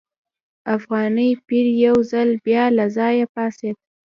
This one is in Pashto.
افغاني پیر یو ځل بیا له ځایه پاڅېد.